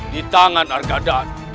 di tangan arga dan